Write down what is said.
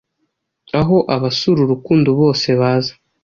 Aho abasura urukundo bose baza.